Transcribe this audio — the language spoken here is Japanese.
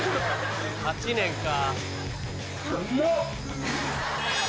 ８年か。